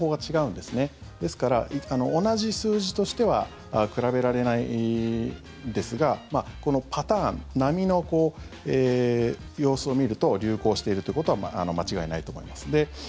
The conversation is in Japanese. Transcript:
ですから、同じ数字としては比べられないんですがこのパターン、波の様子を見ると流行してるということは間違いないと思います。